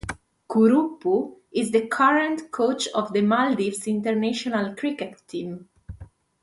Kuruppu is the current coach of the Maldives national cricket team.